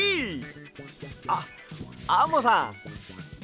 あっアンモさん。